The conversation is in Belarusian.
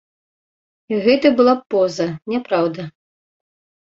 Гэта была б поза, няпраўда.